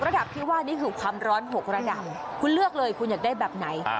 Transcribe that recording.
ระดับที่ว่านี่คือความร้อน๖ระดับคุณเลือกเลยคุณอยากได้แบบไหน